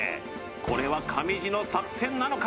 これは上地の作戦なのか？